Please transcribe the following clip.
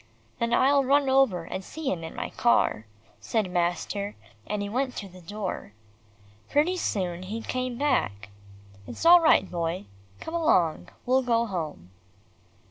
"Then I'll run over and see him in my car," said master, and he went to the door. Pretty soon he came back. "It's all right, Boy. Come along, we'll go home."